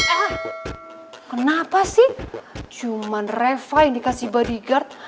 ah kenapa sih cuman reva yang dikasih bodyguard